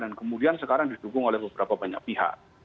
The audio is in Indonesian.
dan kemudian sekarang didukung oleh beberapa banyak pihak